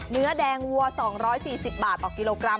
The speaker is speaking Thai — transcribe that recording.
เนื้อแดงวัว๒๔๐บาทต่อกิโลกรัม